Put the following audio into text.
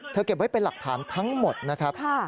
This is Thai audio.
เก็บไว้เป็นหลักฐานทั้งหมดนะครับ